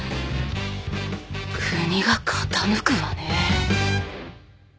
国が傾くわね。